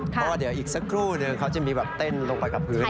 เพราะว่าเดี๋ยวอีกสักครู่นึงเขาจะมีแบบเต้นลงไปกับพื้น